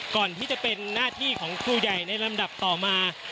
ก่อนที่จะเป็นหน้าที่ของครูใหญ่ในลำดับต่อมา